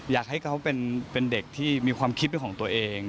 อยากให้เขาเป็นเด็กที่มีความคิดเป็นของตัวเอง